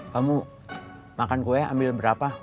kamu makan kue ambil berapa